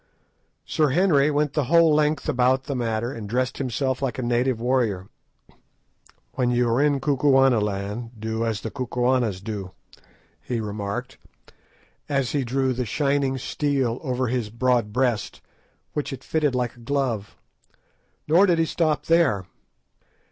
Sir Henry went the whole length about the matter, and dressed himself like a native warrior. "When you are in Kukuanaland, do as the Kukuanas do," he remarked, as he drew the shining steel over his broad breast, which it fitted like a glove. Nor did he stop there.